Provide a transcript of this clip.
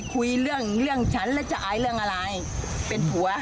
คุยเรื่องเรื่องฉันแล้วจะอายเรื่องอะไรเป็นผัว